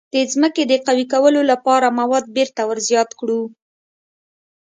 د ځمکې د قوي کولو لپاره مواد بیرته ور زیات کړو.